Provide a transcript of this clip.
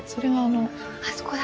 あそこだ！